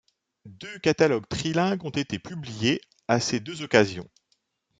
Deux catalogues trilingues ont été publiés à ces deux occasions.